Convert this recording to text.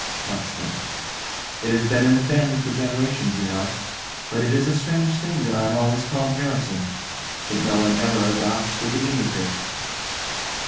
CROCKSTEAD. It has been in the family for generations, you know; but it is a strange thing that I am always called Harrison, and that no one ever adopts the diminutive.